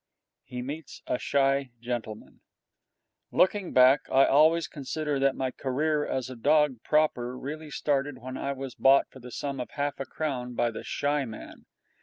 He Meets a Shy Gentleman Looking back, I always consider that my career as a dog proper really started when I was bought for the sum of half a crown by the Shy Man.